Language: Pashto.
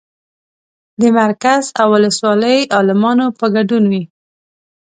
د مرکز او ولسوالۍ عالمانو په ګډون وي.